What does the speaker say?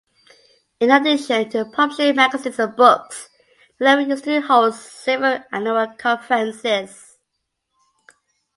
In addition to publishing magazines and books, the Naval Institute holds several annual conferences.